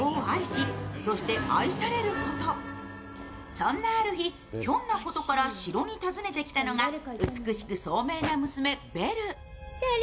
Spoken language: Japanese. そんなある日、ひょんなことから城に訪ねきたのが美しくそうめいな娘・ベル。